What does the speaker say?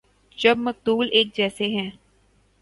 جب مقتول ایک جیسے ہیں۔